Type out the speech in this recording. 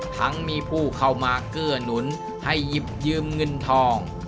ทั้งมีผู้เข้ามาเกื้อหนุนให้หยิบยืมเงินทอง